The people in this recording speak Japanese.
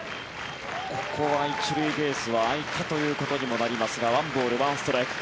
ここは１塁ベースは空いたということにもなりますが１ボール１ストライク。